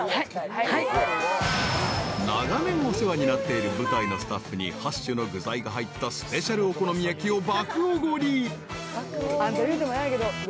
［長年お世話になっている舞台のスタッフに８種の具材が入ったスペシャルお好み焼きを爆おごり］